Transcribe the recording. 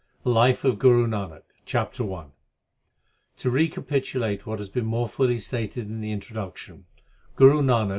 I LIFE OF GURU NANAK CHAPTER I To recapitulate what has been more fully stated in the Introduction, Guru Nanak.